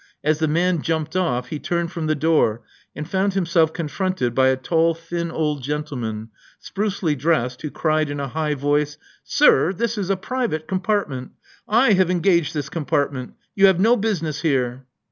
As the man jumped off, he turned from the door, and found himself confronted by a tall thin old gentleman, sprucely dressed, who cried in a high voice : "Sir, tfiis is a private compartment. I have engaged this compartment. You have no business here."